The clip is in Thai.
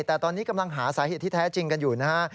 แต่ตอนนี้กำลังหาสาเหตุที่แท้จริงกันอยู่นะฮะ